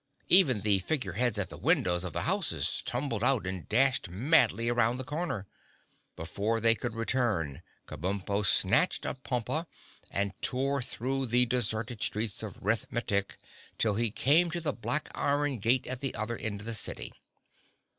Even the Figure Heads at the windows of the houses tumbled out and dashed madly around the corner. Before they could return, Kabumpo snatched up Pompa and tore through the deserted streets of Rith Metic till he came to the black iron gate at the other end of the city.